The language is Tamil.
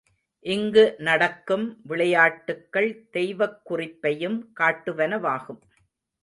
இங்கு நடக்கும் விளையாட்டுக்கள் தெய்வக் குறிப்பையும் காட்டுவனவாகும்.